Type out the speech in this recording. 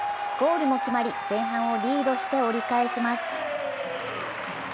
ゴールも決まり前半をリードして折り返します。